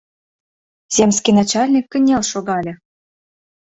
Земский начальник кынел шогале: